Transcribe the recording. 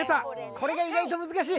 これが意外と難しい。